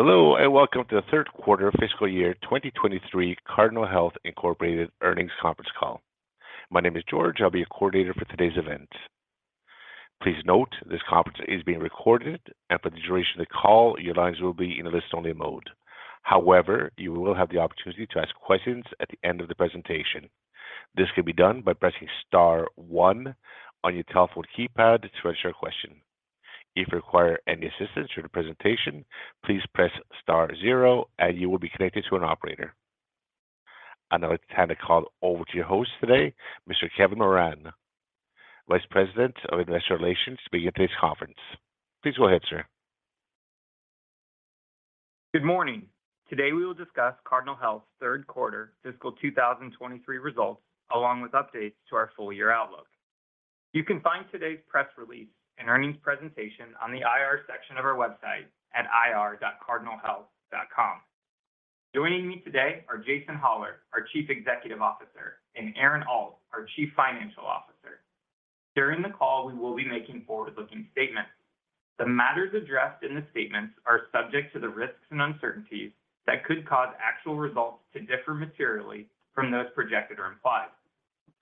Hello and welcome to the Third quarter Fiscal year 2023 Cardinal Health, Inc. Earnings Conference Call. My name is George. I'll be your coordinator for today's event. Please note this conference is being recorded, and for the duration of the call, your lines will be in a listen-only mode. However, you will have the opportunity to ask questions at the end of the presentation. This can be done by pressing star one on your telephone keypad to register your question. If you require any assistance during the presentation, please press star zero and you will be connected to an operator. I'd now like to hand the call over to your host today, Mr. Kevin Moran, Vice President of Investor Relations speaking at today's conference. Please go ahead, sir. Good morning. Today we will discuss Cardinal Health's Third Quarter Press Release and Earnings Presentation on the IR section of our website at ir.cardinalhealth.com. Joining me today are Jason Hollar, our Chief Executive Officer, and Aaron Alt, our Chief Financial Officer. During the call, we will be making forward-looking statements. The matters addressed in the statements are subject to the risks and uncertainties that could cause actual results to differ materially from those projected or implied.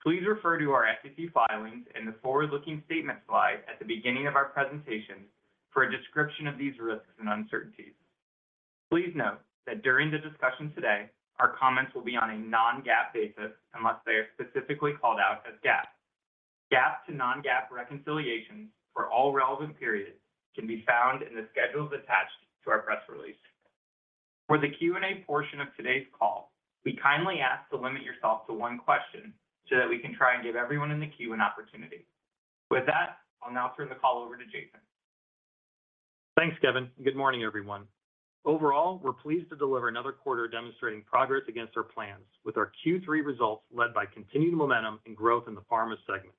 Please refer to our SEC filings and the forward-looking statement slide at the beginning of our presentation for a description of these risks and uncertainties. Please note that during the discussion today, our comments will be on a non-GAAP basis unless they are specifically called out as GAAP. GAAP to non-GAAP reconciliations for all relevant periods can be found in the schedules attached to our press release. For the Q&A portion of today's call, we kindly ask to limit yourself to one question so that we can try and give everyone in the queue an opportunity. I'll now turn the call over to Jason Thanks, Kevin. Good morning, everyone. Overall, we're pleased to deliver another quarter demonstrating progress against our plans with our Q3 results led by continued momentum and growth in the pharma segment.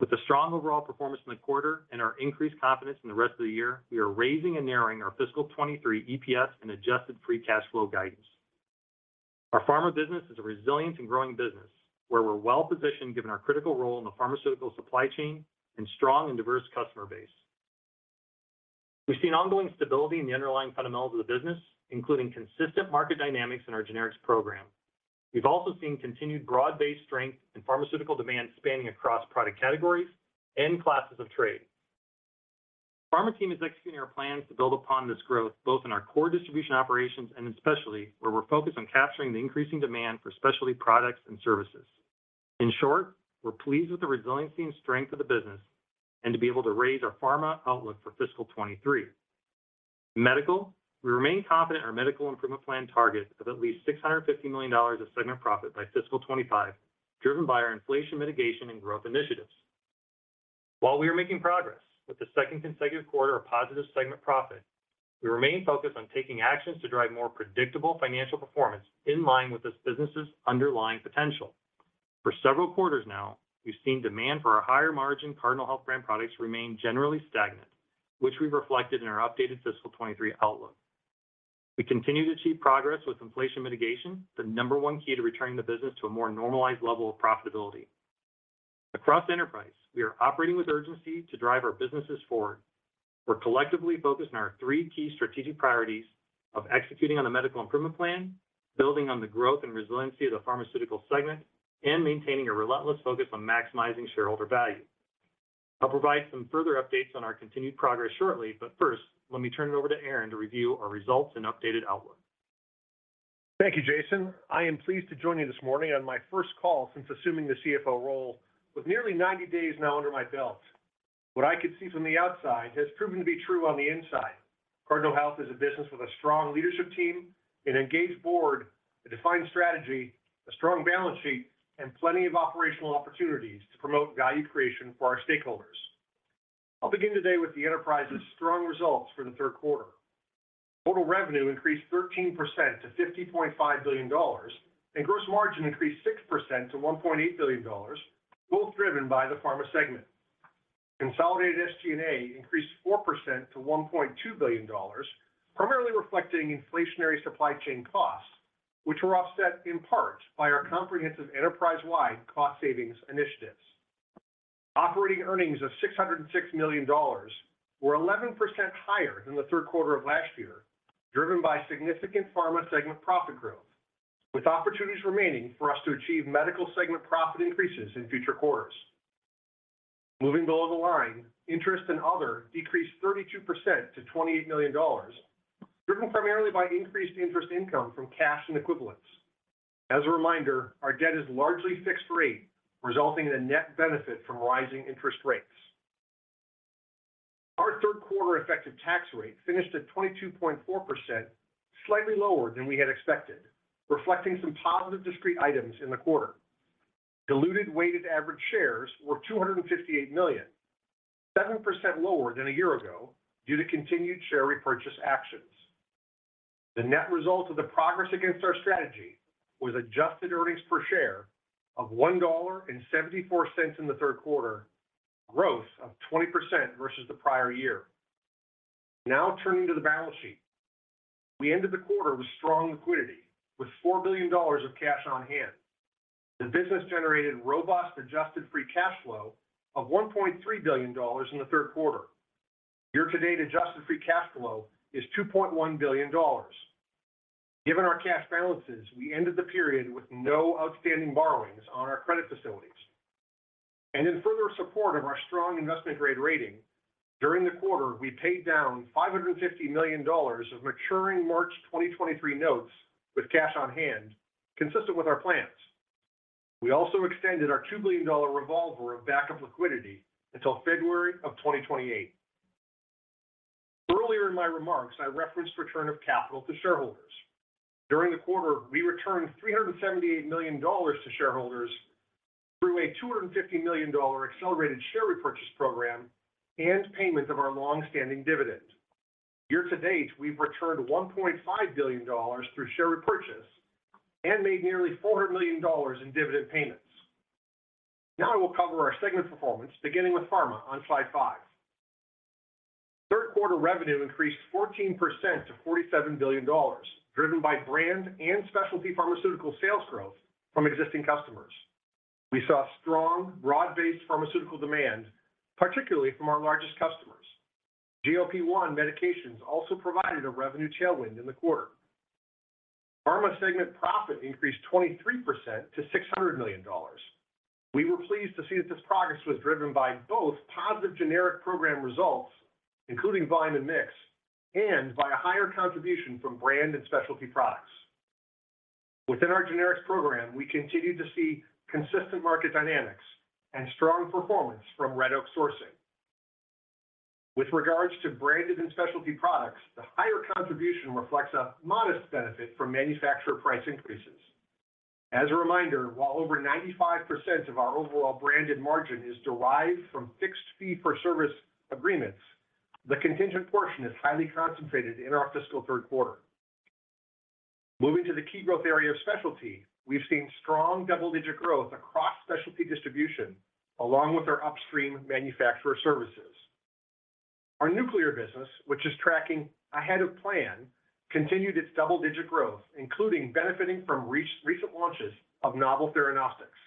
With the strong overall performance in the quarter and our increased confidence in the rest of the year, we are raising and narrowing our fiscal 23 EPS and adjusted free cash flow guidance. Our pharma business is a resilient and growing business where we're well positioned given our critical role in the pharmaceutical supply chain and strong and diverse customer base. We've seen ongoing stability in the underlying fundamentals of the business, including consistent market dynamics in our generics program. We've also seen continued broad-based strength in pharmaceutical demand spanning across product categories and classes of trade. Pharma team is executing our plans to build upon this growth, both in our core distribution operations and in specialty, where we're focused on capturing the increasing demand for specialty products and services. In short, we're pleased with the resiliency and strength of the business and to be able to raise our Pharma outlook for fiscal 23. In Medical, we remain confident in our medical improvement plan targets of at least $650 million of segment profit by fiscal 25, driven by our inflation mitigation and growth initiatives. While we are making progress with the second consecutive quarter of positive segment profit, we remain focused on taking actions to drive more predictable financial performance in line with this business's underlying potential. For several quarters now, we've seen demand for our higher margin Cardinal Health brand products remain generally stagnant, which we've reflected in our updated fiscal 23 outlook. We continue to achieve progress with inflation mitigation, the number one key to returning the business to a more normalized level of profitability. Across the enterprise, we are operating with urgency to drive our businesses forward. We're collectively focused on our three key strategic priorities of executing on the medical improvement plan, building on the growth and resiliency of the pharmaceutical segment, and maintaining a relentless focus on maximizing shareholder value. First, let me turn it over to Aaron to review our results and updated outlook.a Thank you, Jason. I am pleased to join you this morning on my first call since assuming the CFO role with nearly 90 days now under my belt. What I could see from the outside has proven to be true on the inside. Cardinal Health is a business with a strong leadership team, an engaged board, a defined strategy, a strong balance sheet, and plenty of operational opportunities to promote value creation for our stakeholders. I'll begin today with the enterprise's strong results for the third quarter. Total revenue increased 13% to $50.5 billion, and gross margin increased 6% to $1.8 billion, both driven by the pharma segment. Consolidated SG&A increased 4% to $1.2 billion, primarily reflecting inflationary supply chain costs, which were offset in part by our comprehensive enterprise-wide cost savings initiatives. Operating earnings of $606 million were 11% higher than the third quarter of last year, driven by significant pharma segment profit growth, with opportunities remaining for us to achieve medical segment profit increases in future quarters. Moving below the line, interest and other decreased 32% to $28 million, driven primarily by increased interest income from cash and equivalents. As a reminder, our debt is largely fixed rate, resulting in a net benefit from rising interest rates. Our third quarter effective tax rate finished at 22.4%, slightly lower than we had expected, reflecting some positive discrete items in the quarter. Diluted weighted average shares were 258 million, 7% lower than a year ago due to continued share repurchase actions. The net result of the progress against our strategy was adjusted earnings per share of $1.74 in the third quarter, growth of 20% versus the prior year. Turning to the balance sheet. We ended the quarter with strong liquidity, with $4 billion of cash on hand. The business generated robust adjusted free cash flow of $1.3 billion in the third quarter. Year-to-date adjusted free cash flow is $2.1 billion. Given our cash balances, we ended the period with no outstanding borrowings on our credit facilities. In further support of our strong investment-grade rating, during the quarter, we paid down $550 million of maturing March 2023 notes with cash on hand, consistent with our plans. We also extended our $2 billion revolver of backup liquidity until February 2028. Earlier in my remarks, I referenced return of capital to shareholders. During the quarter, we returned $378 million to shareholders through a $250 million accelerated share repurchase program and payment of our long-standing dividend. Year to date, we've returned $1.5 billion through share repurchase and made nearly $400 million in dividend payments. I will cover our segment performance, beginning with Pharma on slide five. Third quarter revenue increased 14% to $47 billion, driven by brand and specialty pharmaceutical sales growth from existing customers. We saw strong, broad-based pharmaceutical demand, particularly from our largest customers. GLP-1 medications also provided a revenue tailwind in the quarter. Pharma segment profit increased 23% to $600 million. We were pleased to see that this progress was driven by both positive generic program results, including volume and mix, and by a higher contribution from brand and specialty products. Within our generics program, we continued to see consistent market dynamics and strong performance from Red Oak Sourcing. With regards to branded and specialty products, the higher contribution reflects a modest benefit from manufacturer price increases. As a reminder, while over 95% of our overall branded margin is derived from fixed fee for service agreements, the contingent portion is highly concentrated in our fiscal third quarter. Moving to the key growth area of specialty, we've seen strong double-digit growth across specialty distribution, along with our upstream manufacturer services. Our nuclear business, which is tracking ahead of plan, continued its double-digit growth, including benefiting from recent launches of novel theranostics.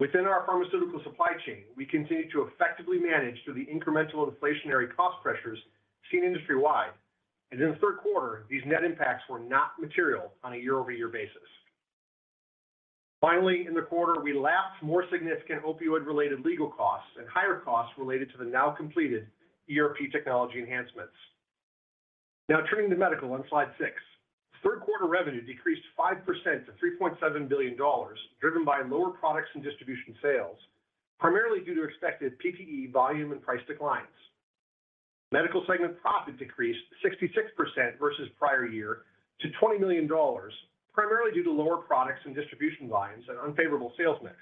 Within our pharmaceutical supply chain, we continue to effectively manage through the incremental inflationary cost pressures seen industry-wide. In the third quarter, these net impacts were not material on a year-over-year basis. Finally, in the quarter, we lapsed more significant opioid-related legal costs and higher costs related to the now completed ERP technology enhancements. Turning to medical on slide six. Third quarter revenue decreased 5% to $3.7 billion, driven by lower products and distribution sales, primarily due to respective PPE volume and price declines. Medical segment profit decreased 66% versus prior year to $20 million, primarily due to lower products and distribution volumes and unfavorable sales mix.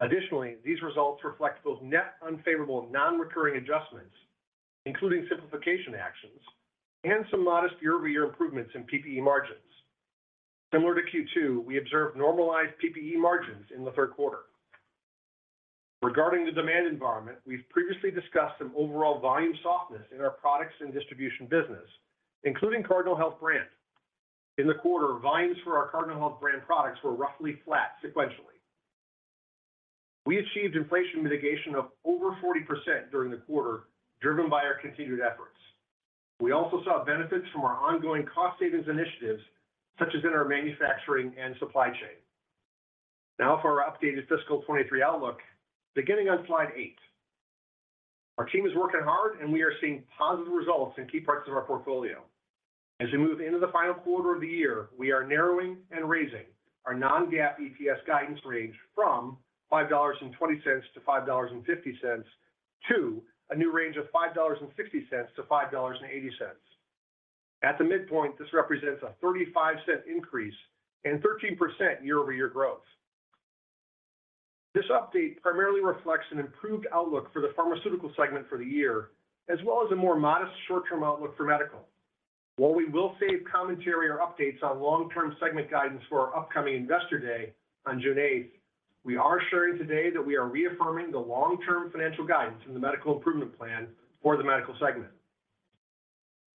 Additionally, these results reflect both net unfavorable non-recurring adjustments, including simplification actions, and some modest year-over-year improvements in PPE margins. Similar to Q2, we observed normalized PPE margins in the third quarter. Regarding the demand environment, we've previously discussed some overall volume softness in our products and distribution business, including Cardinal Health brand. In the quarter, volumes for our Cardinal Health brand products were roughly flat sequentially. We achieved inflation mitigation of over 40% during the quarter, driven by our continued efforts. We also saw benefits from our ongoing cost savings initiatives, such as in our manufacturing and supply chain. For our updated fiscal 23 outlook, beginning on slide eight. Our team is working hard, and we are seeing positive results in key parts of our portfolio. As we move into the final quarter of the year, we are narrowing and raising our non-GAAP EPS guidance range from $5.20-$5.50 to a new range of $5.60-$5.80. At the midpoint, this represents a $0.35 increase and 13% year-over-year growth. This update primarily reflects an improved outlook for the pharmaceutical segment for the year, as well as a more modest short-term outlook for medical. While we will save commentary or updates on long-term segment guidance for our upcoming Investor Day on June eighth, we are sharing today that we are reaffirming the long-term financial guidance in the medical improvement plan for the medical segment.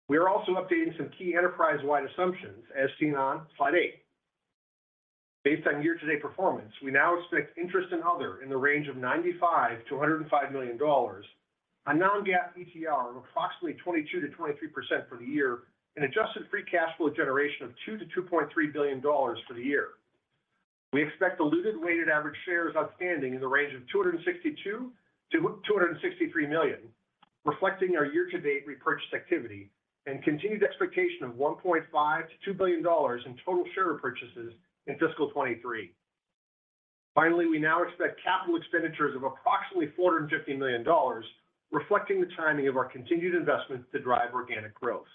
We are also updating some key enterprise-wide assumptions as seen on slide eight. Based on year-to-date performance, we now expect interest in other in the range of $95 million-$105 million, a non-GAAP ETR of approximately 22%-23% for the year, and adjusted free cash flow generation of $2 billion-$2.3 billion for the year. We expect diluted weighted average shares outstanding in the range of 262 million-263 million, reflecting our year-to-date repurchased activity and continued expectation of $1.5 billion-$2 billion in total share repurchases in fiscal 2023. Finally, we now expect capital expenditures of approximately $450 million, reflecting the timing of our continued investments to drive organic growth.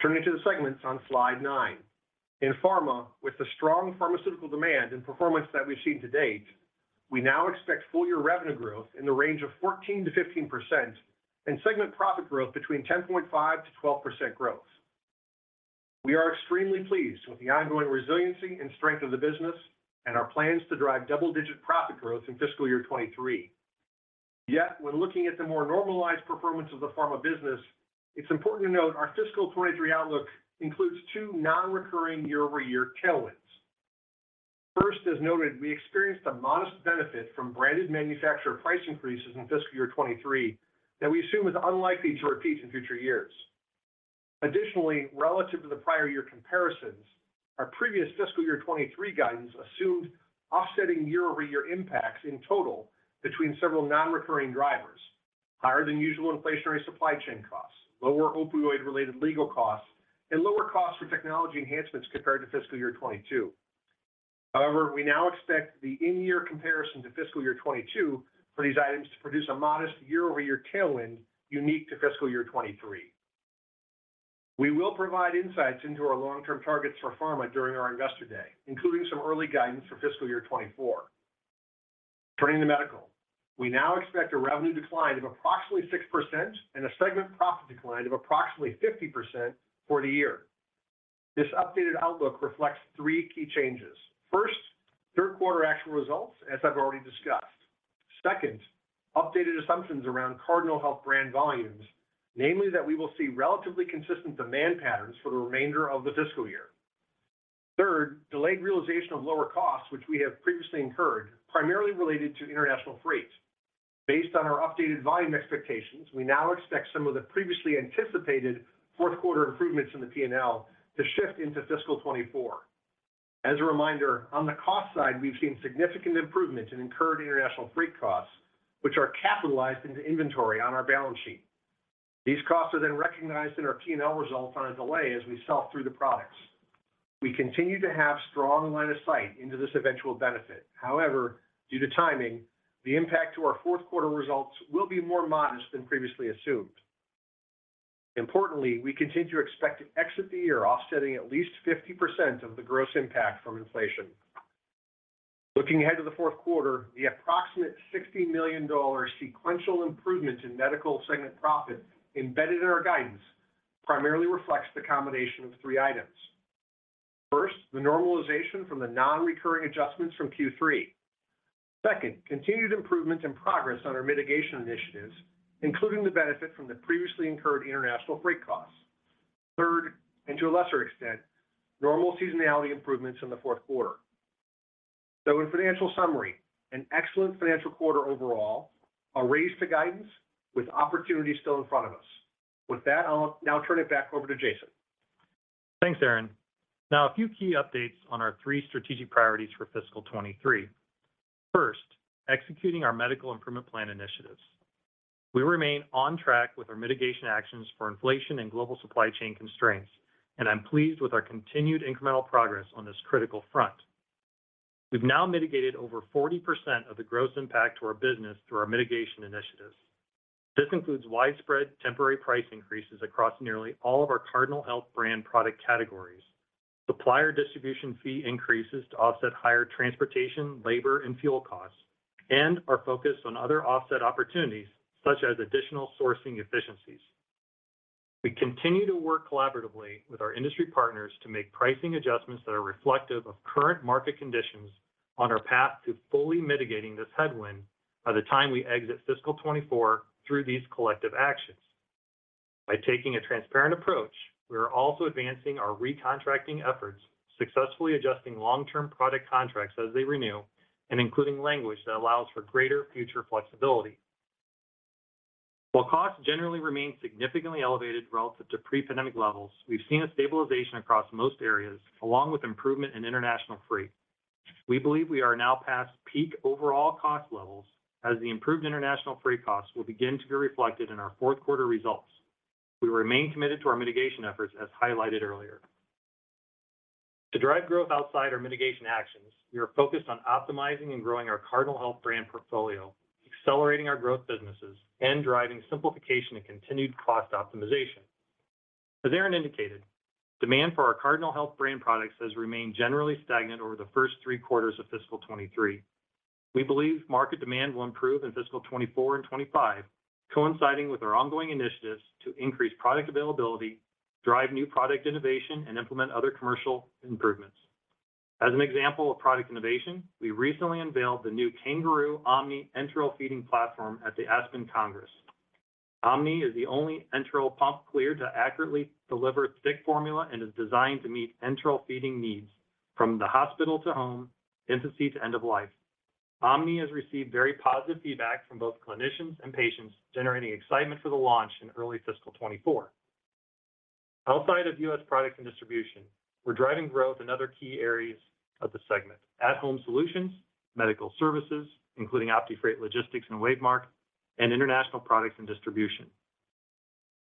Turning to the segments on slide nine. In pharma, with the strong pharmaceutical demand and performance that we've seen to date, we now expect full year revenue growth in the range of 14%-15% and segment profit growth between 10.5%-12% growth. We are extremely pleased with the ongoing resiliency and strength of the business and our plans to drive double-digit profit growth in fiscal year 23. When looking at the more normalized performance of the pharma business, it's important to note our fiscal 23 outlook includes two non-recurring year-over-year tailwinds. First, as noted, we experienced a modest benefit from branded manufacturer price increases in fiscal year 23 that we assume is unlikely to repeat in future years. Additionally, relative to the prior year comparisons, our previous fiscal year 23 guidance assumed offsetting year-over-year impacts in total between several non-recurring drivers, higher than usual inflationary supply chain costs, lower opioid-related legal costs, and lower costs for technology enhancements compared to fiscal year 22. We now expect the in-year comparison to fiscal year 22 for these items to produce a modest year-over-year tailwind unique to fiscal year 23. We will provide insights into our long-term targets for pharma during our Investor Day, including some early guidance for fiscal year 2024. Turning to medical, we now expect a revenue decline of approximately 6% and a segment profit decline of approximately 50% for the year. This updated outlook reflects three key changes. First, third quarter actual results, as I've already discussed. Second, updated assumptions around Cardinal Health brand volumes, namely that we will see relatively consistent demand patterns for the remainder of the fiscal year. Third, delayed realization of lower costs, which we have previously incurred, the primarily related to international freight. Based on our updated volume expectations, we now expect some of the previously anticipated fourth quarter improvements in the P&L to shift into fiscal 2024. As a reminder, on the cost side, we've seen significant improvement in incurred international freight costs, which are capitalized into inventory on our balance sheet. These costs are recognized in our P&L results on a delay as we sell through the products. We continue to have strong line of sight into this eventual benefit. Due to timing, the impact to our fourth quarter results will be more modest than previously assumed. We continue to expect to exit the year offsetting at least 50% of the gross impact from inflation. Looking ahead to the fourth quarter, the approximate $60 million sequential improvement in medical segment profit embedded in our guidance primarily reflects the combination of three items. First, the normalization from the non-recurring adjustments from Q3. Second, continued improvement and progress on our mitigation initiatives, including the benefit from the previously incurred international freight costs. Third, to a lesser extent, normal seasonality improvements in the fourth quarter. In financial summary, an excellent financial quarter overall, a raise to guidance with opportunity still in front of us. With that, I'll now turn it back over to Jason. Thanks, Aaron. A few key updates on our three strategic priorities for fiscal 23. First, executing our medical improvement plan initiatives. We remain on track with our mitigation actions for inflation and global supply chain constraints, and I'm pleased with our continued incremental progress on this critical front. We've now mitigated over 40% of the gross impact to our business through our mitigation initiatives. This includes widespread temporary price increases across nearly all of our Cardinal Health brand product categories, supplier distribution fee increases to offset higher transportation, labor, and fuel costs, and our focus on other offset opportunities, such as additional sourcing efficiencies. We continue to work collaboratively with our industry partners to make pricing adjustments that are reflective of current market conditions on our path to fully mitigating this headwind by the time we exit fiscal 24 through these collective actions. By taking a transparent approach, we are also advancing our recontracting efforts, successfully adjusting long-term product contracts as they renew and including language that allows for greater future flexibility. While costs generally remain significantly elevated relative to pre-pandemic levels, we've seen a stabilization across most areas along with improvement in international freight. We believe we are now past peak overall cost levels as the improved international freight costs will begin to be reflected in our fourth quarter results. We remain committed to our mitigation efforts as highlighted earlier. To drive growth outside our mitigation actions, we are focused on optimizing and growing our Cardinal Health brand portfolio, accelerating our growth businesses, and driving simplification and continued cost optimization. As Aaron indicated, demand for our Cardinal Health brand products has remained generally stagnant over the first three quarters of fiscal 23. We believe market demand will improve in fiscal 2024 and 2025, coinciding with our ongoing initiatives to increase product availability, drive new product innovation, and implement other commercial improvements. As an example of product innovation, we recently unveiled the new Kangaroo OMNI enteral feeding platform at the ASPEN Congress. OMNI is the only enteral pump cleared to accurately deliver thick formula and is designed to meet enteral feeding needs from the hospital to home, infancy to end of life. OMNI has received very positive feedback from both clinicians and patients, generating excitement for the launch in early fiscal 2024. Outside of U.S. product and distribution, we're driving growth in other key areas of the segment: at-home solutions, medical services, including OptiFreight Logistics and WaveMark, and international products and distribution.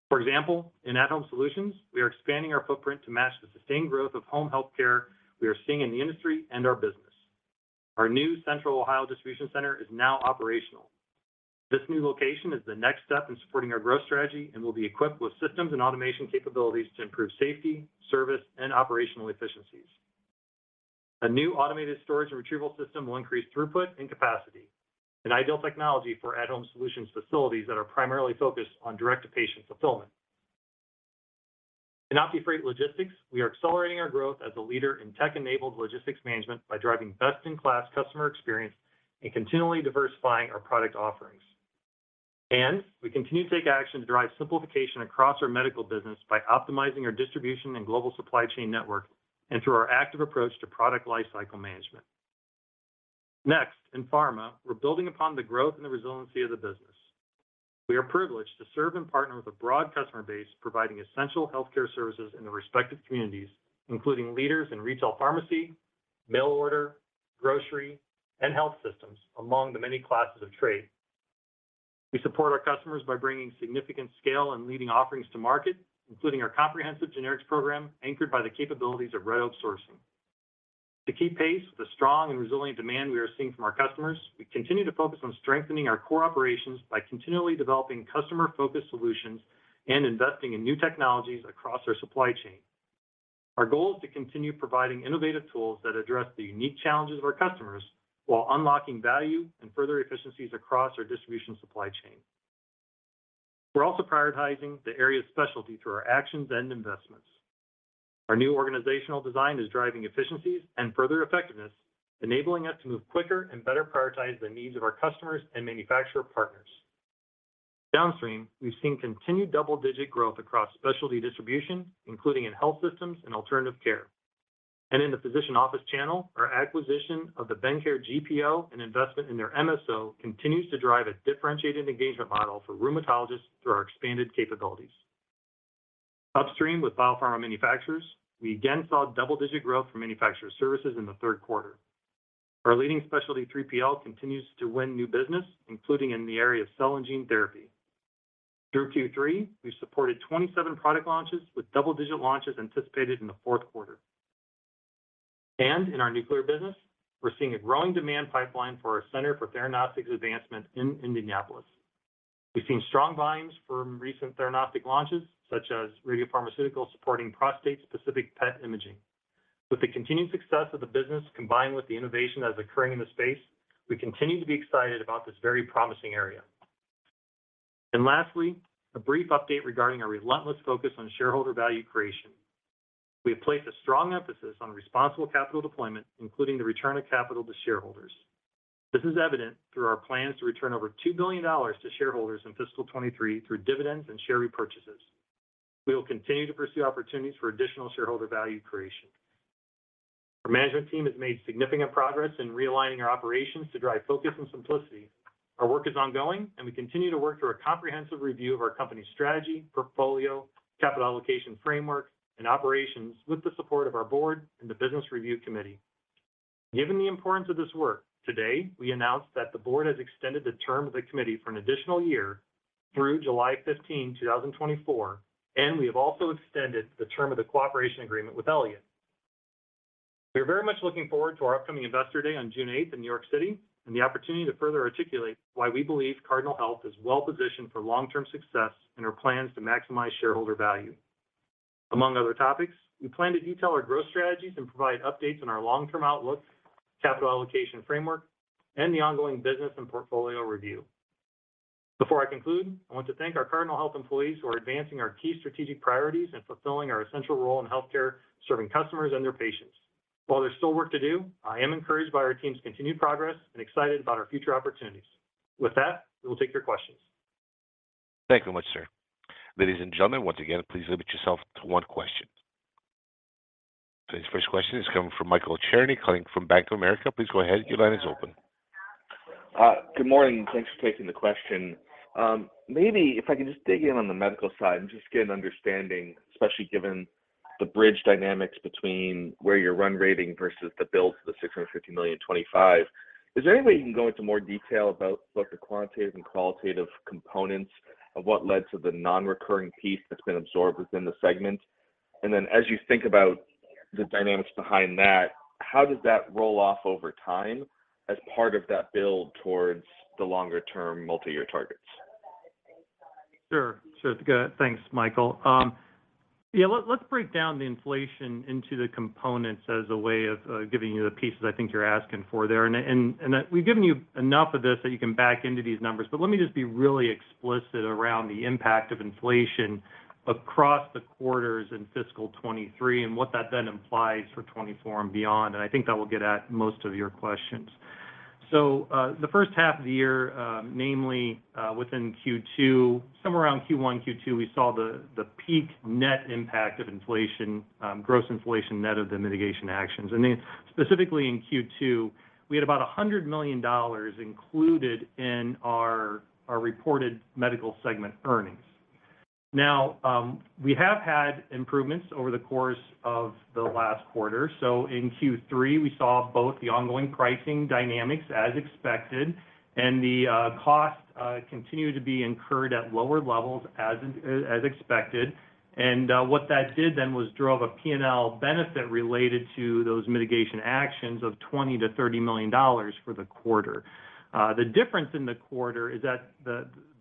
For example, in at-home solutions, we are expanding our footprint to match the sustained growth of home health care we are seeing in the industry and our business. Our new Central Ohio Distribution Center is now operational. This new location is the next step in supporting our growth strategy and will be equipped with systems and automation capabilities to improve safety, service, and operational efficiencies. A new automated storage and retrieval system will increase throughput and capacity, an ideal technology for at-home solutions facilities that are primarily focused on direct-to-patient fulfillment. In OptiFreight Logistics, we are accelerating our growth as a leader in tech-enabled logistics management by driving best-in-class customer experience and continually diversifying our product offerings. We continue to take action to drive simplification across our medical business by optimizing our distribution and global supply chain network and through our active approach to product lifecycle management. In pharma, we're building upon the growth and the resiliency of the business. We are privileged to serve and partner with a broad customer base providing essential healthcare services in their respective communities, including leaders in retail pharmacy, mail order, grocery, and health systems, among the many classes of trade. We support our customers by bringing significant scale and leading offerings to market, including our comprehensive generics program anchored by the capabilities of Red Oak Sourcing. To keep pace with the strong and resilient demand we are seeing from our customers, we continue to focus on strengthening our core operations by continually developing customer-focused solutions and investing in new technologies across our supply chain. Our goal is to continue providing innovative tools that address the unique challenges of our customers while unlocking value and further efficiencies across our distribution supply chain. We're also prioritizing the area of specialty through our actions and investments. Our new organizational design is driving efficiencies and further effectiveness, enabling us to move quicker and better prioritize the needs of our customers and manufacturer partners. Downstream, we've seen continued double-digit growth across specialty distribution, including in health systems and alternative care. In the physician office channel, our acquisition of the Bendcare GPO and investment in their MSO continues to drive a differentiated engagement model for rheumatologists through our expanded capabilities. Upstream with biopharma manufacturers, we again saw double-digit growth for manufacturer services in the third quarter. Our leading specialty 3PL continues to win new business, including in the area of cell and gene therapy. Through Q3, we supported 27 product launches with double-digit launches anticipated in the fourth quarter. In our nuclear business, we're seeing a growing demand pipeline for our Center for Theranostics Advancement in Indianapolis. We've seen strong volumes from recent theranostics launches, such as radiopharmaceuticals supporting prostate-specific PET imaging. With the continued success of the business, combined with the innovation that is occurring in the space, we continue to be excited about this very promising area. Lastly, a brief update regarding our relentless focus on shareholder value creation. We have placed a strong emphasis on responsible capital deployment, including the return of capital to shareholders. This is evident through our plans to return over $2 billion to shareholders in fiscal 2023 through dividends and share repurchases. We will continue to pursue opportunities for additional shareholder value creation. Our management team has made significant progress in realigning our operations to drive focus and simplicity. Our work is ongoing. We continue to work through a comprehensive review of our company's strategy, portfolio, capital allocation framework, and operations with the support of our board and the Business Review Committee. Given the importance of this work, today, we announced that the board has extended the term of the committee for an additional year through July 15, 2024. We have also extended the term of the cooperation agreement with Elliott. We are very much looking forward to our upcoming Investor Day on June 8 in New York City and the opportunity to further articulate why we believe Cardinal Health is well-positioned for long-term success and our plans to maximize shareholder value. Among other topics, we plan to detail our growth strategies and provide updates on our long-term outlook, capital allocation framework, and the ongoing business and portfolio review. Before I conclude, I want to thank our Cardinal Health employees who are advancing our key strategic priorities and fulfilling our essential role in healthcare, serving customers and their patients. While there's still work to do, I am encouraged by our team's continued progress and excited about our future opportunities. With that, we will take your questions. Thank you much, sir. Ladies and gentlemen, once again, please limit yourself to one question. Today's first question is coming from Michael Cherny, calling from Bank of America. Please go ahead. Your line is open. Good morning. Thanks for taking the question. Maybe if I can just dig in on the medical side and just get an understanding, especially given the bridge dynamics between where you're run rating versus the build to the $650 million in 2025. Is there any way you can go into more detail about both the quantitative and qualitative components of what led to the non-recurring piece that's been absorbed within the segment? As you think about the dynamics behind that, how does that roll off over time as part of that build towards the longer-term multi-year targets? Sure. Thanks, Michael. Yeah, let's break down the inflation into the components as a way of giving you the pieces I think you're asking for there. We've given you enough of this that you can back into these numbers, but let me just be really explicit around the impact of inflation across the quarters in fiscal 2023 and what that then implies for 2024 and beyond. I think that will get at most of your questions. The first half of the year, namely, within Q2, somewhere around Q1, Q2, we saw the peak net impact of inflation, gross inflation net of the mitigation actions. Then specifically in Q2, we had about $100 million included in our reported medical segment earnings. Now, we have had improvements over the course of the last quarter. In Q3, we saw both the ongoing pricing dynamics as expected and the cost continued to be incurred at lower levels as expected. What that did then was drove a P&L benefit related to those mitigation actions of $20-30 million for the quarter. The difference in the quarter is that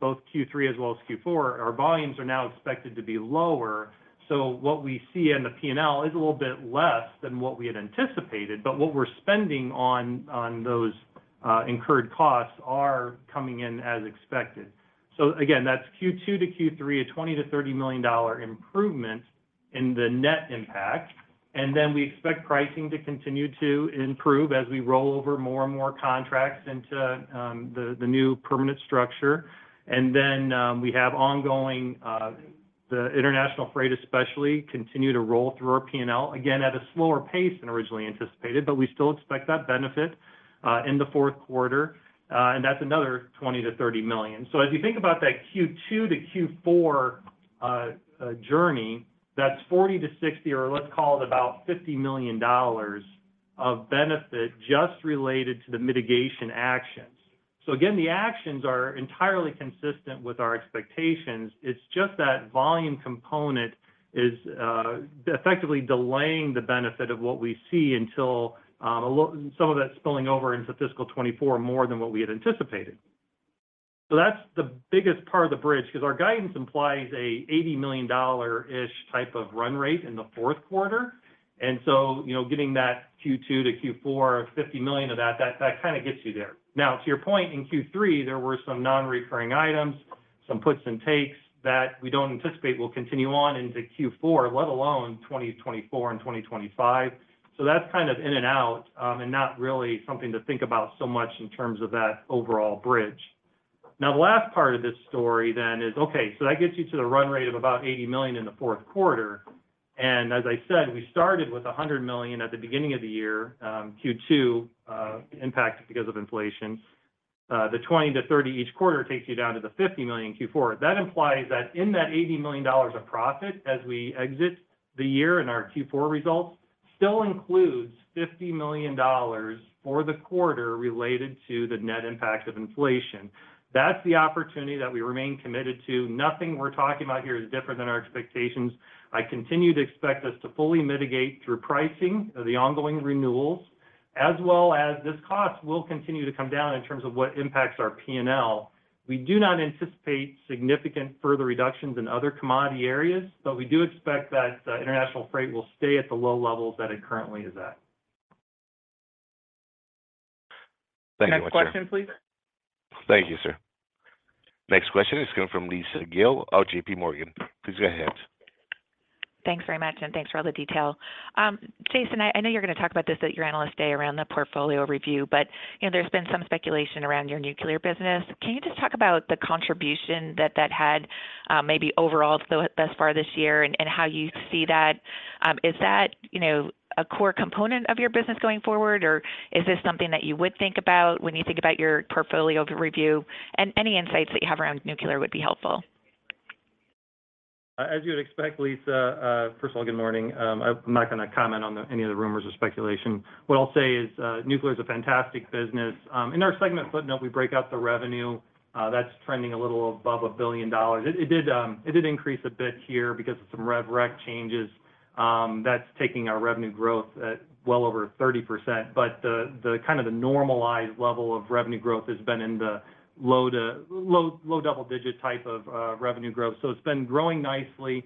both Q3 and Q4, our volumes are now expected to be lower. What we see in the P&L is a little bit less than what we had anticipated. What we're spending on, incurred costs are coming in as expected. Again, that's Q2 to Q3, a $20-30 million improvement in the net impact. We expect pricing to continue to improve as we roll over more and more contracts into the new permanent structure. We have ongoing, the international freight especially, continue to roll through our P&L, again at a slower pace than originally anticipated, but we still expect that benefit in the fourth quarter, and that's another $20-30 million. As you think about that Q2 to Q4 journey, that's $40-60 million or let's call it about $50 million of benefit just related to the mitigation actions. Again, the actions are entirely consistent with our expectations. It's just that volume component is effectively delaying the benefit of what we see until some of that spilling over into fiscal 2024 more than what we had anticipated. That's the biggest part of the bridge, 'cause our guidance implies a $80 million dollar-ish type of run rate in the fourth quarter. You know, getting that Q2 to Q4, $50 million of that kind of gets you there. To your point, in Q3, there were some non-recurring items, some puts and takes that we don't anticipate will continue on into Q4, let alone 2024 and 2025. That's kind of in and out, and not really something to think about so much in terms of that overall bridge. The last part of this story then is, okay, so that gets you to the run rate of about $80 million in the fourth quarter. As I said, we started with a $100 million at the beginning of the year, Q2 impacted because of inflation. The $20-$30 each quarter takes you down to the $50 million Q4. That implies that in that $80 million of profit as we exit the year in our Q4 results, still includes $50 million for the quarter related to the net impact of inflation. That's the opportunity that we remain committed to. Nothing we're talking about here is different than our expectations. I continue to expect us to fully mitigate through pricing of the ongoing renewals, as well as this cost will continue to come down in terms of what impacts our P&L. We do not anticipate significant further reductions in other commodity areas, but we do expect that international freight will stay at the low levels that it currently is at. Thank you much, sir. Next question, please. Thank you, sir. Next question is coming from Lisa Gill of JPMorgan. Please go ahead. Thanks very much, and thanks for all the detail. Jason, I know you're gonna talk about this at your Analyst Day around the portfolio review, but, you know, there's been some speculation around your nuclear business. Can you just talk about the contribution that had thus far this year, and how you see that? Is that, you know, a core component of your business going forward, or is this something that you would think about when you think about your portfolio review? Any insights that you have around nuclear would be helpful. As you would expect, Lisa, first of all, good morning. I'm not gonna comment on any of the rumors or speculation. What I'll say is nuclear is a fantastic business. In our segment footnote, we break out the revenue. That's trending a little above $1 billion. It did increase a bit here because of some rev rec changes, that's taking our revenue growth at well over 30%. The kind of the normalized level of revenue growth has been in the low double-digit type of revenue growth. It's been growing nicely.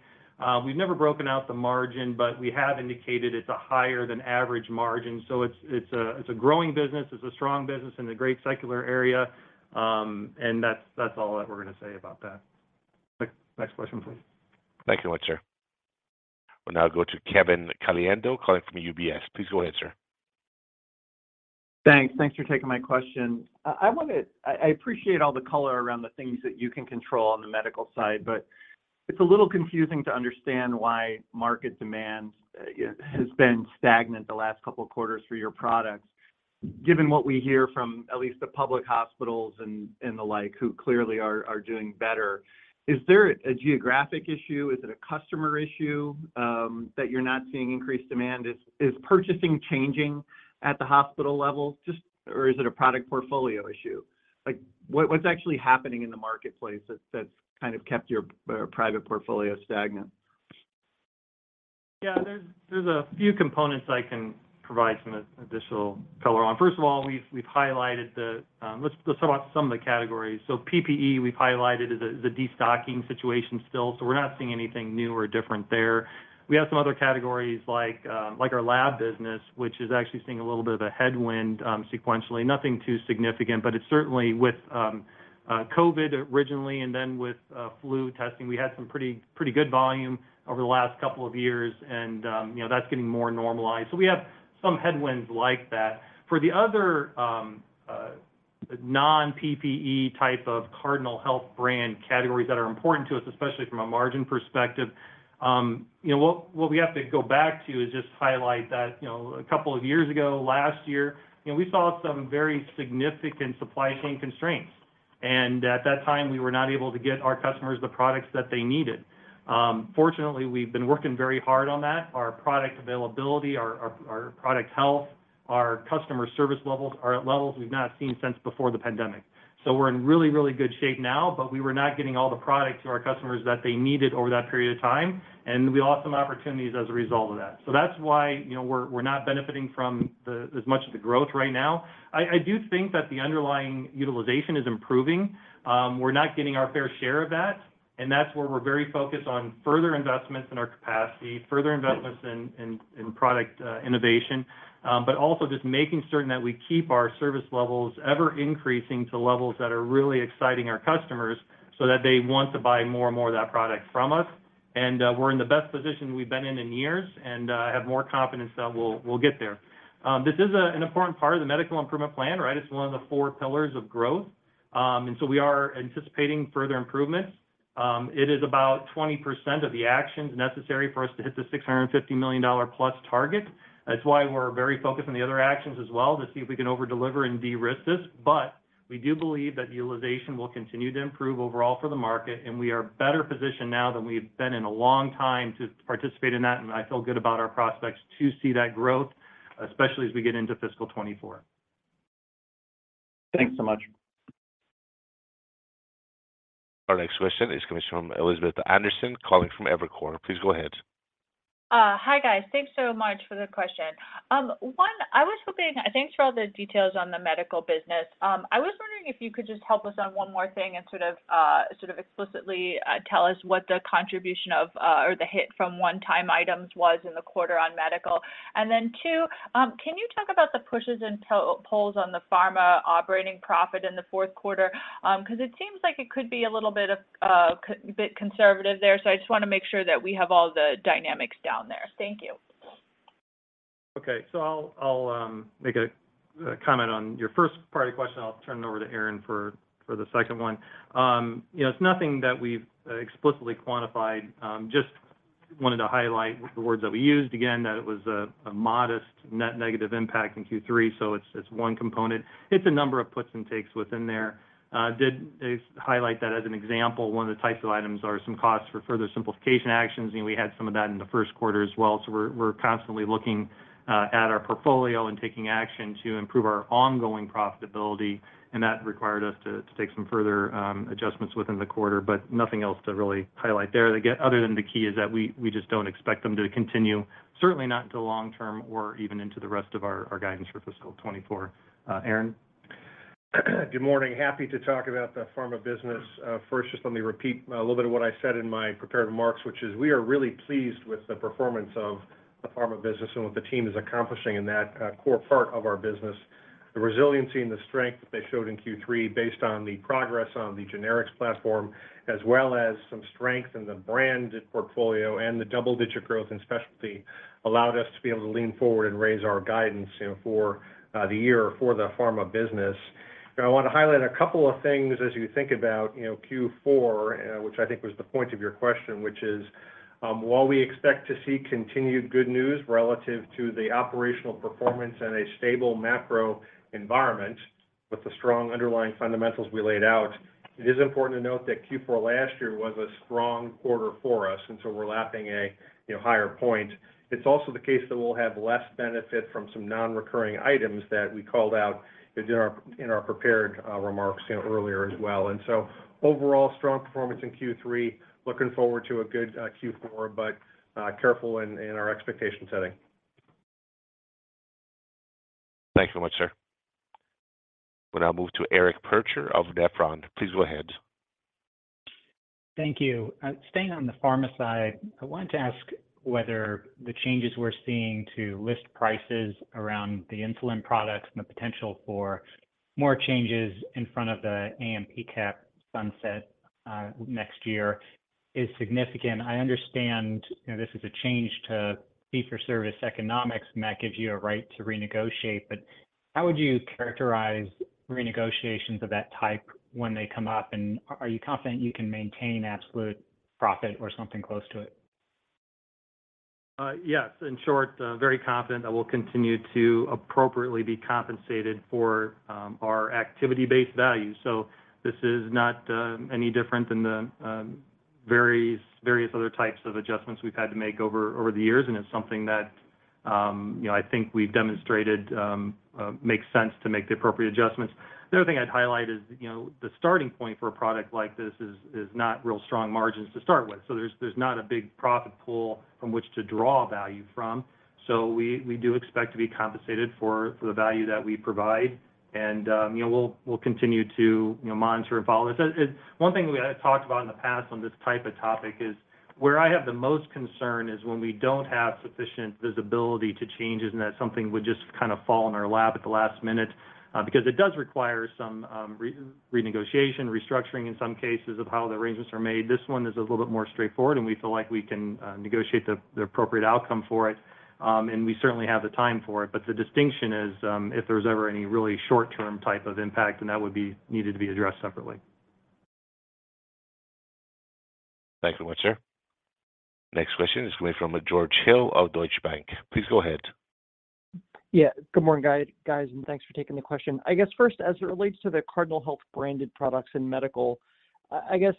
We've never broken out the margin, but we have indicated it's a higher than average margin. It's a growing business, it's a strong business in a great secular area, that's all that we're gonna say about that. Next question, please. Thank you, sir. We'll now go to Kevin Caliendo calling from UBS. Please go ahead, sir. Thanks. Thanks for taking my question. I appreciate all the color around the things that you can control on the medical side, but it's a little confusing to understand why market demand, you know, has been stagnant the last couple of quarters for your products, given what we hear from at least the public hospitals and the like, who clearly are doing better. Is there a geographic issue? Is it a customer issue, that you're not seeing increased demand? Is purchasing changing at the hospital level? Just, or is it a product portfolio issue? Like, what's actually happening in the marketplace that's kind of kept your private portfolio stagnant? Yeah. There's a few components I can provide some additional color on. First of all, we've highlighted the, let's just talk about some of the categories. PPE, we've highlighted the destocking situation still. We're not seeing anything new or different there. We have some other categories like our lab business, which is actually seeing a little bit of a headwind sequentially. Nothing too significant, but it's certainly with COVID originally, and then with flu testing, we had some pretty good volume over the last couple of years and, you know, that's getting more normalized. We have some headwinds like that. For the other, non-PPE type of Cardinal Health brand categories that are important to us, especially from a margin perspective, you know, what we have to go back to is just highlight that, you know, a couple of years ago, last year, you know, we saw some very significant supply chain constraints. At that time, we were not able to get our customers the products that they needed. Fortunately, we've been working very hard on that. Our product availability, our product health, our customer service levels are at levels we've not seen since before the pandemic. We're in really, really good shape now, but we were not getting all the product to our customers that they needed over that period of time, and we lost some opportunities as a result of that. That's why, you know, we're not benefiting from the as much of the growth right now. I do think that the underlying utilization is improving. We're not getting our fair share of that, and that's where we're very focused on further investments in our capacity, further investments in product innovation. Also just making certain that we keep our service levels ever increasing to levels that are really exciting our customers so that they want to buy more and more of that product from us. And we're in the best position we've been in in years, and I have more confidence that we'll get there. This is an important part of the Medical Improvement Plan, right? It's one of the four pillars of growth. We are anticipating further improvements. It is about 20% of the actions necessary for us to hit the $650 million+ target. That's why we're very focused on the other actions as well, to see if we can over-deliver and de-risk this. We do believe that utilization will continue to improve overall for the market, and we are better positioned now than we've been in a long time to participate in that, and I feel good about our prospects to see that growth, especially as we get into fiscal 2024. Thanks so much. Our next question is coming from Elizabeth Anderson, calling from Evercore. Please go ahead. Hi guys. Thanks so much for the question. One, I was hoping. Thanks for all the details on the medical business. I was wondering if you could just help us on one more thing and sort of, sort of explicitly tell us what the contribution of or the hit from one-time items was in the quarter on medical. Then two, can you talk about the pushes and pulls on the pharma operating profit in the fourth quarter? Because it seems like it could be a little bit of bit conservative there. I just want to make sure that we have all the dynamics down there. Thank you. Okay. I'll make a comment on your first part of the question. I'll turn it over to Aaron for the second one. You know, it's nothing that we've explicitly quantified. Just wanted to highlight the words that we used again, that it was a modest net negative impact in Q3. It's one component. It's a number of puts and takes within there. Did highlight that as an example, one of the types of items are some costs for further simplification actions, and we had some of that in the first quarter as well. We're constantly looking at our portfolio and taking action to improve our ongoing profitability, and that required us to take some further adjustments within the quarter. Nothing else to really highlight there. Other than the key is that we just don't expect them to continue, certainly not into long term or even into the rest of our guidance for fiscal 2024. Aaron? Good morning. Happy to talk about the pharma business. First, just let me repeat a little bit of what I said in my prepared remarks, which is we are really pleased with the performance of the pharma business and what the team is accomplishing in that core part of our business. The resiliency and the strength they showed in Q3 based on the progress on the generics platform, as well as some strength in the brand portfolio and the double-digit growth in specialty, allowed us to be able to lean forward and raise our guidance, you know, for the year for the pharma business. I want to highlight a couple of things as you think about, you know, Q4, which I think was the point of your question, which is, while we expect to see continued good news relative to the operational performance and a stable macro environment with the strong underlying fundamentals we laid out, it is important to note that Q4 last year was a strong quarter for us. So we're lapping a, you know, higher point. It's also the case that we'll have less benefit from some non-recurring items that we called out in our, in our prepared remarks, you know, earlier as well. Overall, strong performance in Q3. Looking forward to a good Q4, but careful in our expectation setting. Thank you so much, sir. We'll now move to Eric Percher of Nephron. Please go ahead. Thank you. Staying on the pharma side, I wanted to ask whether the changes we're seeing to list prices around the insulin products and the potential for more changes in front of the AMP cap sunset next year is significant. I understand, you know, this is a change to fee for service economics, and that gives you a right to renegotiate. How would you characterize renegotiations of that type when they come up, and are you confident you can maintain absolute profit or something close to it? Yes. In short, very confident that we'll continue to appropriately be compensated for our activity-based value. This is not any different than the various other types of adjustments we've had to make over the years. It's something that, you know, I think we've demonstrated makes sense to make the appropriate adjustments. The other thing I'd highlight is, you know, the starting point for a product like this is not real strong margins to start with. There's not a big profit pool from which to draw value from. We do expect to be compensated for the value that we provide. You know, we'll continue to, you know, monitor and follow this. One thing we had talked about in the past on this type of topic is, where I have the most concern is when we don't have sufficient visibility to changes and that something would just kind of fall in our lap at the last minute, because it does require some renegotiation, restructuring in some cases of how the arrangements are made. This one is a little bit more straightforward, and we feel like we can negotiate the appropriate outcome for it. We certainly have the time for it. The distinction is, if there's ever any really short-term type of impact, then that would be needed to be addressed separately. Thank you much, sir. Next question is coming from George Hill of Deutsche Bank. Please go ahead. Yeah. Good morning, guys, and thanks for taking the question. I guess first, as it relates to the Cardinal Health branded products in medical, I guess,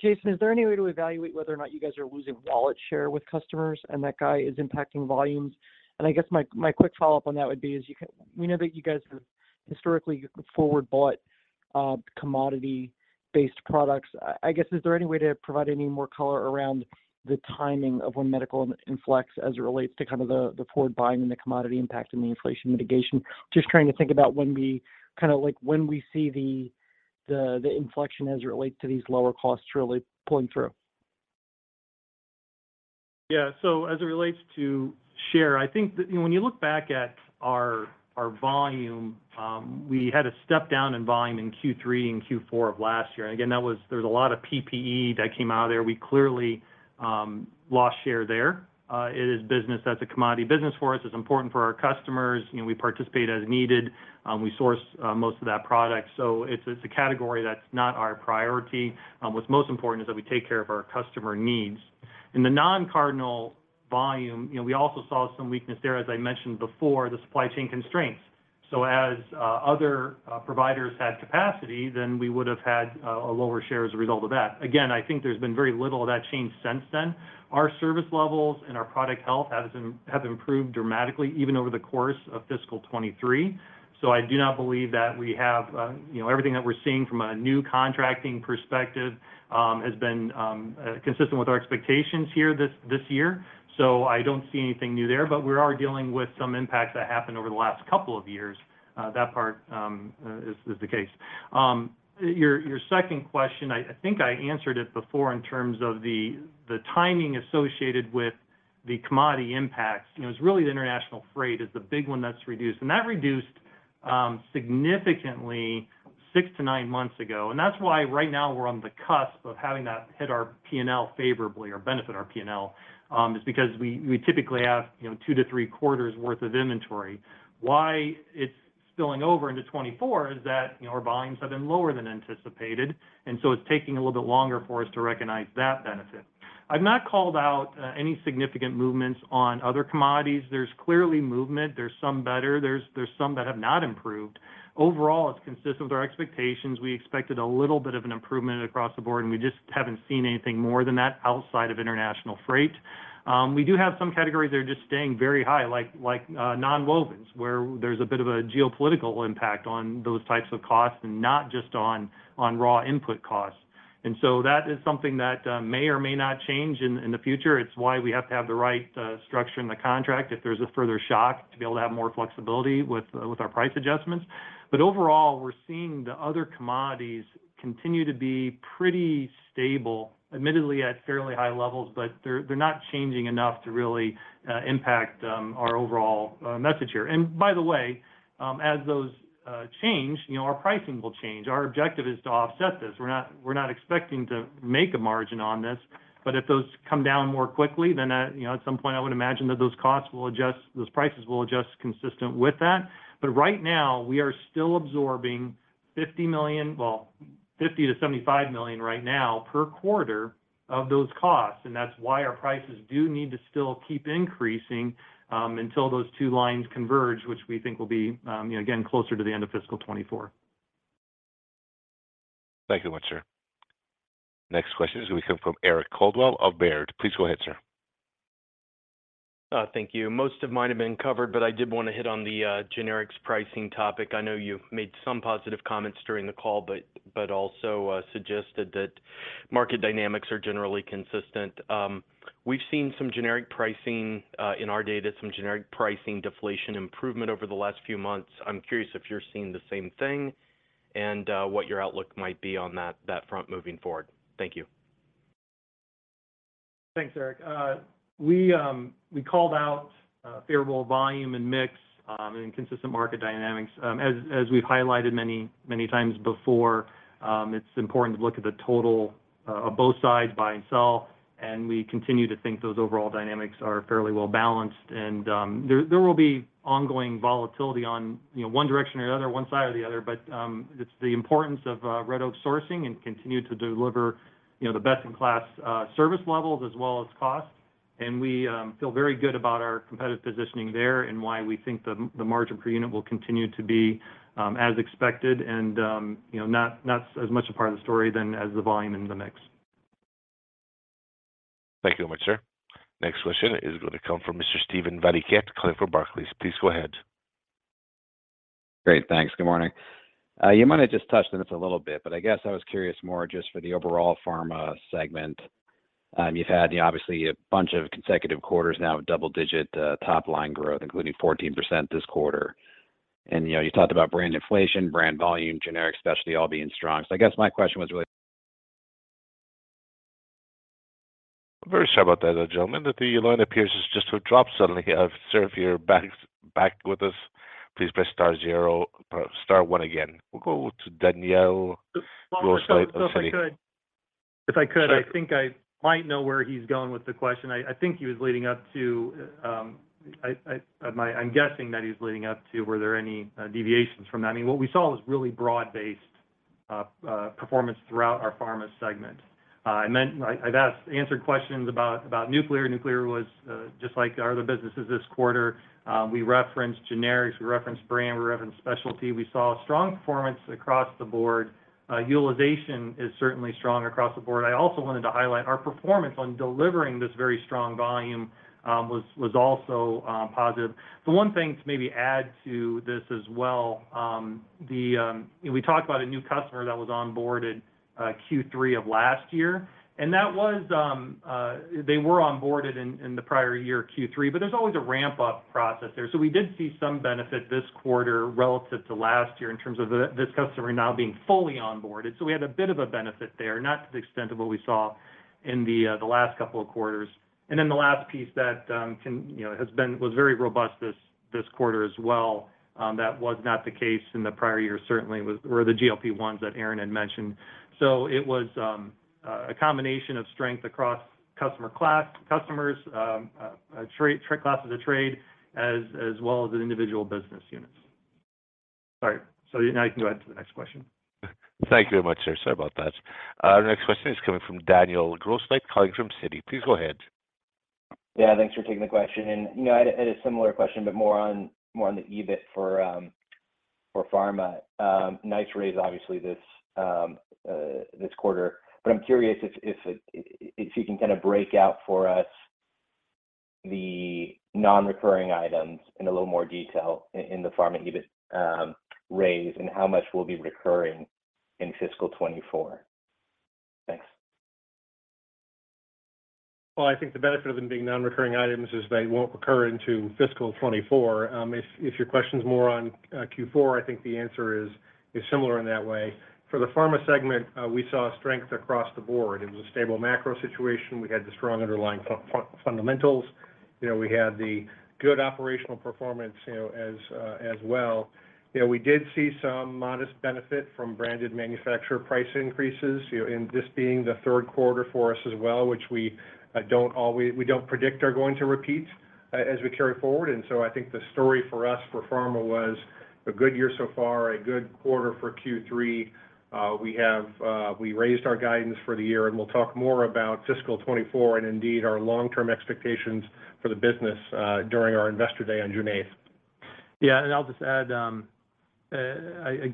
Jason, is there any way to evaluate whether or not you guys are losing wallet share with customers and that guy is impacting volumes? I guess my quick follow-up on that would be is we know that you guys have historically forward bought commodity-based products. I guess, is there any way to provide any more color around the timing of when medical inflects as it relates to kind of the forward buying and the commodity impact and the inflation mitigation? Just trying to think about when we kind of like, when we see the inflection as it relates to these lower costs really pulling through. Yeah. As it relates to share, I think that when you look back at our volume, we had a step down in volume in Q3 and Q4 of last year. Again, there was a lot of PPE that came out of there. We clearly lost share there. It is business. That's a commodity business for us. It's important for our customers. You know, we participate as needed. We source most of that product. It's a category that's not our priority. What's most important is that we take care of our customer needs. In the non-Cardinal volume, you know, we also saw some weakness there, as I mentioned before, the supply chain constraints. As other providers had capacity, then we would have had a lower share as a result of that. I think there's been very little of that change since then. Our service levels and our product health have improved dramatically even over the course of fiscal 23. I do not believe that we have, you know, everything that we're seeing from a new contracting perspective, has been consistent with our expectations here this year. I don't see anything new there. We are dealing with some impacts that happened over the last couple of years. That part is the case. Your second question, I think I answered it before in terms of the timing associated with the commodity impacts. You know, it's really the international freight is the big one that's reduced. That reduced significantly six-nine months ago. That's why right now we're on the cusp of having that hit our P&L favorably or benefit our P&L, is because we typically have, you know, two to three quarters worth of inventory. It's spilling over into 2024 is that, you know, our volumes have been lower than anticipated. So it's taking a little bit longer for us to recognize that benefit. I've not called out any significant movements on other commodities. There's clearly movement. There's some better. There's some that have not improved. Overall, it's consistent with our expectations. We expected a little bit of an improvement across the board. We just haven't seen anything more than that outside of international freight. We do have some categories that are just staying very high, like nonwovens, where there's a bit of a geopolitical impact on those types of costs and not just on raw input costs. That is something that may or may not change in the future. It's why we have to have the right structure in the contract if there's a further shock to be able to have more flexibility with our price adjustments. Overall, we're seeing the other commodities continue to be pretty stable, admittedly at fairly high levels, but they're not changing enough to really impact our overall message here. By the way, as those change, you know, our pricing will change. Our objective is to offset this. We're not expecting to make a margin on this. If those come down more quickly, then, you know, at some point I would imagine that those costs will adjust, those prices will adjust consistent with that. Right now, we are still absorbing $50 million. Well, $50-75 million right now per quarter of those costs, and that's why our prices do need to still keep increasing, until those two lines converge, which we think will be, you know, again, closer to the end of fiscal 2024. Thank you much, sir. Next question is going to come from Eric Coldwell of Baird. Please go ahead, sir. Thank you. Most of mine have been covered, but I did want to hit on the generics pricing topic. I know you made some positive comments during the call, but also suggested that market dynamics are generally consistent. We've seen some generic pricing in our data, some generic pricing deflation improvement over the last few months. I'm curious if you're seeing the same thing and what your outlook might be on that front moving forward. Thank you. Thanks, Eric. We called out favorable volume and mix and consistent market dynamics. As we've highlighted many, many times before, it's important to look at the total of both sides, buy and sell, and we continue to think those overall dynamics are fairly well-balanced. There will be ongoing volatility on, you know, one direction or the other, one side or the other. It's the importance of Red Oak Sourcing and continue to deliver, you know, the best-in-class service levels as well as costs. We feel very good about our competitive positioning there and why we think the margin per unit will continue to be as expected and, you know, not as much a part of the story than as the volume and the mix. Thank you much, sir. Next question is going to come from Mr. Steven Valiquette, Barclays. Please go ahead. Great. Thanks. Good morning. You might have just touched on this a little bit, but I guess I was curious more just for the overall pharma segment. You've had, you know, obviously a bunch of consecutive quarters now with double-digit top-line growth, including 14% this quarter. You know, you talked about brand inflation, brand volume, generic specialty all being strong. I guess my question was really. Very sorry about that, gentlemen. The line appears to just have dropped suddenly. Sir, if you're back with us, please press star zero or star one again. We'll go to Danielle Antalffy of Citi- If I could. Sure. I think I might know where he's going with the question. I think he was leading up to, I'm guessing that he's leading up to were there any deviations from that. I mean, what we saw was really broad-based performance throughout our pharma segment. I've answered questions about nuclear. Nuclear was just like our other businesses this quarter. We referenced generics, we referenced brand, we referenced specialty. We saw strong performance across the board. Utilization is certainly strong across the board. I also wanted to highlight our performance on delivering this very strong volume was also positive. The one thing to maybe add to this as well, you know, we talked about a new customer that was onboarded Q3 of last year. That was, they were onboarded in the prior year, Q3, but there's always a ramp-up process there. We did see some benefit this quarter relative to last year in terms of this customer now being fully onboarded. We had a bit of a benefit there, not to the extent of what we saw in the last couple of quarters. The last piece that was very robust this quarter as well, that was not the case in the prior years certainly was, were the GLP-1s that Erin had mentioned. It was a combination of strength across customer class, customers, trade, classes of trade, as well as the individual business units. Sorry. Now you can go ahead to the next question. Thank you very much, sir. Sorry about that. Our next question is coming from Daniel Grosslight, calling from Citi. Please go ahead. Yeah, thanks for taking the question. You know, I had a similar question, but more on the EBIT for pharma. Nice raise obviously this this quarter. I'm curious if you can kind of break out for us the non-recurring items in a little more detail in the pharma EBIT raise and how much will be recurring in fiscal 2024. Thanks. Well, I think the benefit of them being non-recurring items is they won't recur into fiscal 2024. If your question is more on Q4, I think the answer is similar in that way. For the pharma segment, we saw strength across the board. It was a stable macro situation. We had the strong underlying fundamentals. You know, we had the good operational performance, you know, as well. You know, we did see some modest benefit from branded manufacturer price increases. You know, this being the third quarter for us as well, which we don't always predict are going to repeat as we carry forward. I think the story for us for pharma was a good year so far, a good quarter for Q3. We raised our guidance for the year, and we'll talk more about fiscal 24 and indeed our long-term expectations for the business, during our Investor Day on June 8. Yeah, I'll just add, the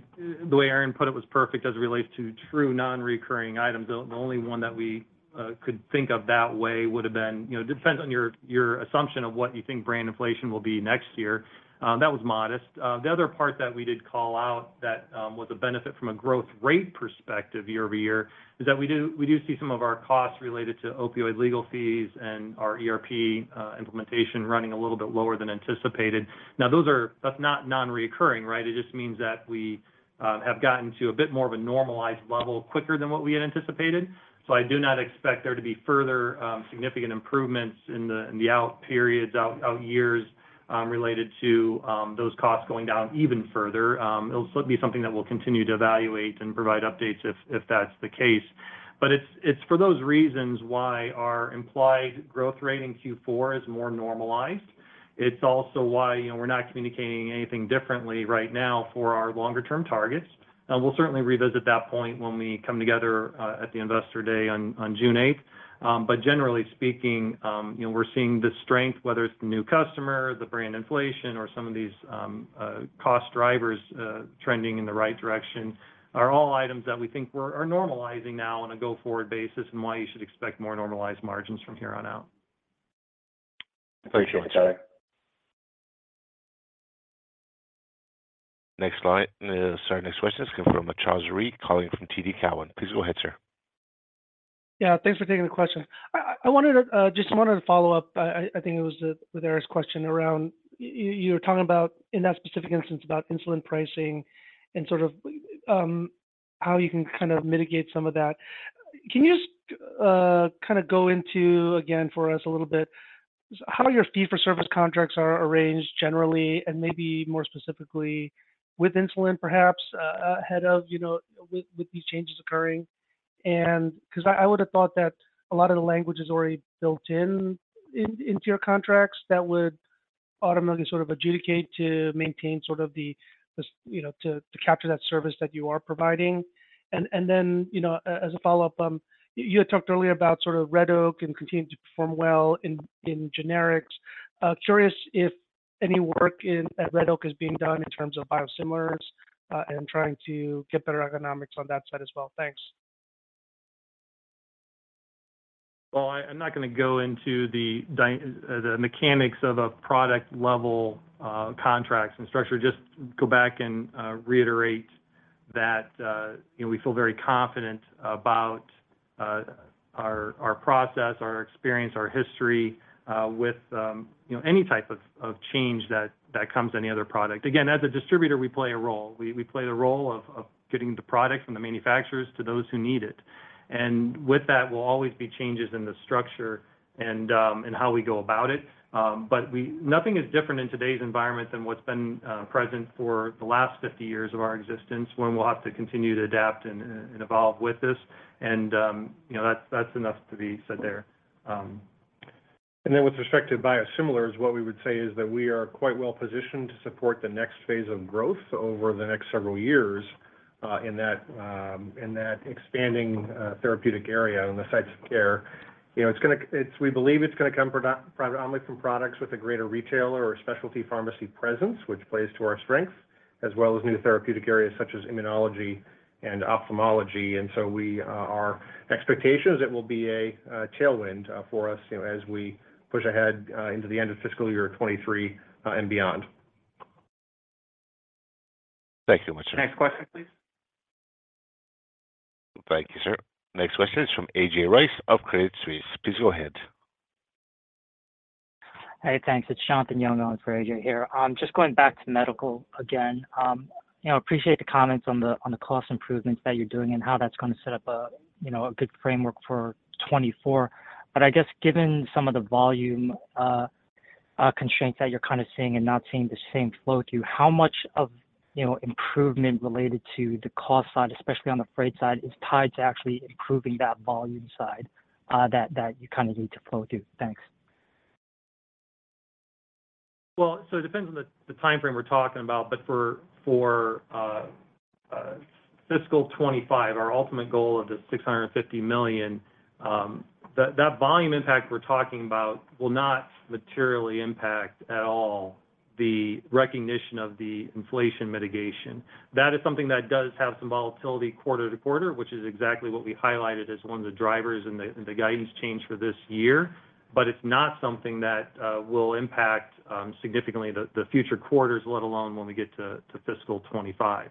way Aaron put it was perfect as it relates to true non-recurring items. The only one that we could think of that way would have been, you know, depends on your assumption of what you think brand inflation will be next year. That was modest. The other part that we did call out that was a benefit from a growth rate perspective, year-over-year, is that we do see some of our costs related to opioid legal fees and our ERP implementation running a little bit lower than anticipated. That's not non-recurring, right? It just means that we have gotten to a bit more of a normalized level quicker than what we had anticipated. I do not expect there to be further, significant improvements in the out periods, out years, related to those costs going down even further. It'll be something that we'll continue to evaluate and provide updates if that's the case. It's for those reasons why our implied growth rate in Q4 is more normalized. It's also why, you know, we're not communicating anything differently right now for our longer-term targets. We'll certainly revisit that point when we come together, at the Investor Day on June eighth. Generally speaking, you know, we're seeing the strength, whether it's the new customer, the brand inflation or some of these cost drivers trending in the right direction, are all items that we think are normalizing now on a go-forward basis and why you should expect more normalized margins from here on out. Appreciate it. Next line. Sir, next question is coming from Charles Rhyee calling from TD Cowen. Please go ahead, sir. Yeah, thanks for taking the question. I wanted to follow up. I think it was with Eric's question around you were talking about in that specific instance about insulin pricing and sort of how you can kind of mitigate some of that. Can you just kind of go into, again for us a little bit, how your fee for service contracts are arranged generally, and maybe more specifically with insulin perhaps, ahead of, you know, with these changes occurring? Because I would have thought that a lot of the language is already built into your contracts that would automatically sort of adjudicate to maintain sort of the, you know, to capture that service that you are providing. Then, you know, as a follow-up, you had talked earlier about sort of Red Oak and continuing to perform well in generics. Curious if any work at Red Oak is being done in terms of biosimilars, and trying to get better economics on that side as well. Thanks. Well, I'm not going to go into the mechanics of a product-level contracts and structure. Just go back and reiterate that, you know, we feel very confident about our process, our experience, our history, with, you know, any type of change that comes any other product. Again, as a distributor, we play a role. We play the role of getting the product from the manufacturers to those who need it. With that will always be changes in the structure and how we go about it. Nothing is different in today's environment than what's been present for the last 50 years of our existence, when we'll have to continue to adapt and evolve with this. You know, that's enough to be said there. With respect to biosimilars, what we would say is that we are quite well positioned to support the next phase of growth over the next several years, in that, in that expanding, therapeutic area on the sites of care. You know, we believe it's gonna come predominantly from products with a greater retailer or specialty pharmacy presence, which plays to our strength, as well as new therapeutic areas such as immunology and ophthalmology. We, our expectation is it will be a tailwind for us, you know, as we push ahead, into the end of fiscal year 23, and beyond. Thank you much, sir. Next question, please. Thank you, sir. Next question is from A.J. Rice of Credit Suisse. Please go ahead. Hey, thanks. It's Jonathan Yong for A.J. here. Just going back to Medical again. You know, appreciate the comments on the, on the cost improvements that you're doing and how that's going to set up a, you know, a good framework for 2024. I guess given some of the volume constraints that you're kind of seeing and not seeing the same flow through, how much of, you know, improvement related to the cost side, especially on the freight side, is tied to actually improving that volume side that you kind of need to flow through? Thanks. Well, it depends on the time frame we're talking about. For fiscal 2025, our ultimate goal of the $650 million, that volume impact we're talking about will not materially impact at all the recognition of the inflation mitigation. That is something that does have some volatility quarter-to-quarter, which is exactly what we highlighted as one of the drivers in the guidance change for this year. It's not something that will impact significantly the future quarters, let alone when we get to fiscal 2025.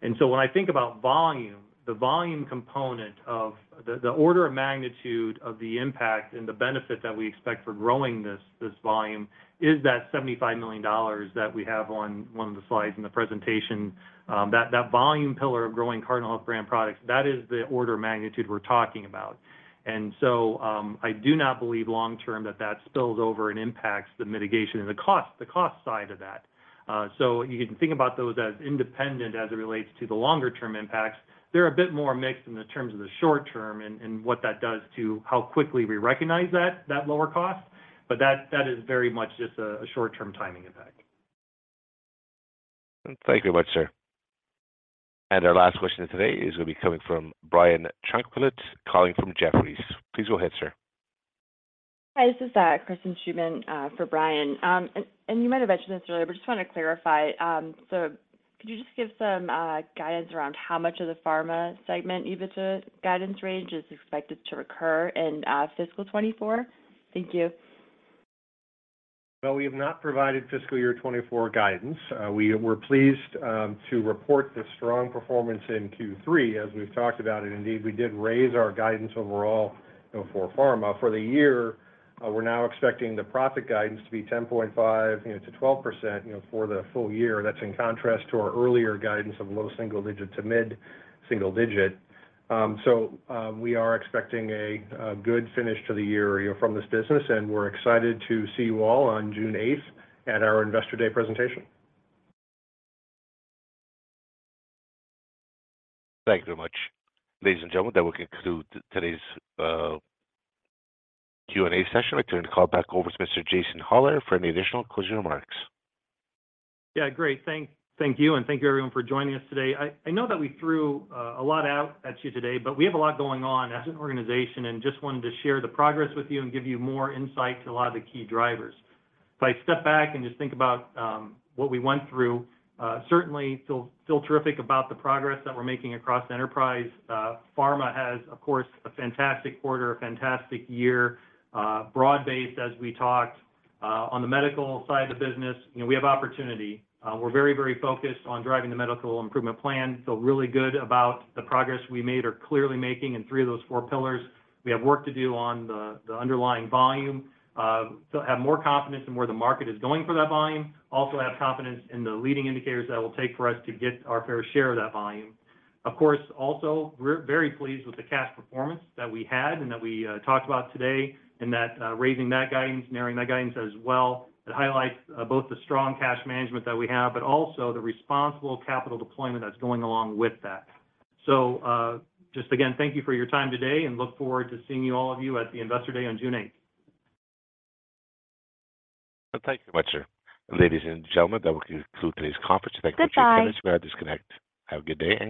When I think about volume, the volume component of the order of magnitude of the impact and the benefit that we expect for growing this volume is that $75 million that we have on one of the slides in the presentation. That, that volume pillar of growing Cardinal Health brand products, that is the order of magnitude we're talking about. I do not believe long term that that spills over and impacts the mitigation and the cost side of that. You can think about those as independent as it relates to the longer term impacts. They're a bit more mixed in the terms of the short term and what that does to how quickly we recognize that lower cost. That, that is very much just a short-term timing impact. Thank you very much, sir. Our last question today is gonna be coming from Brian Tanquilut, calling from Jefferies. Please go ahead, sir. Hi, this is Kristen Stewart for Brian. You might have mentioned this earlier, but just wanted to clarify. Could you just give some guidance around how much of the pharma segment EBITDA guidance range is expected to recur in fiscal 24? Thank you. Well, we have not provided fiscal year 2024 guidance. We were pleased to report the strong performance in Q3 as we've talked about. Indeed, we did raise our guidance overall, you know, for pharma. For the year, we're now expecting the profit guidance to be 10.5%, you know, to 12% for the full year. That's in contrast to our earlier guidance of low single digit to mid single digit. We are expecting a good finish to the year, you know, from this business, and we're excited to see you all on June 8th at our Investor Day presentation. Thank you very much. Ladies and gentlemen, that will conclude today's Q&A session. I'd like to turn the call back over to Mr. Jason Hollar for any additional closing remarks. Great. Thank you, and thank you everyone for joining us today. I know that we threw a lot out at you today, but we have a lot going on as an organization, and just wanted to share the progress with you and give you more insight to a lot of the key drivers. If I step back and just think about what we went through, certainly feel terrific about the progress that we're making across enterprise. Pharma has, of course, a fantastic quarter, a fantastic year. Broad-based as we talked. On the medical side of the business, you know, we have opportunity. We're very, very focused on driving the medical improvement plan, feel really good about the progress we made or clearly making in three of those four pillars. We have work to do on the underlying volume. Have more confidence in where the market is going for that volume. Also have confidence in the leading indicators that it will take for us to get our fair share of that volume. Of course, also, we're very pleased with the cash performance that we had and that we talked about today, and that raising that guidance, narrowing that guidance as well. It highlights both the strong cash management that we have, but also the responsible capital deployment that's going along with that. Just again, thank you for your time today and look forward to seeing you all of you at the Investor Day on June eighth. Thank you very much, sir. Ladies and gentlemen, that will conclude today's conference. Goodbye. Thank you. You may disconnect. Have a good day.